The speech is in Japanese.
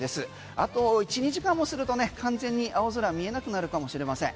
あと１２時間もすると完全に青空見えなくなるかもしれません。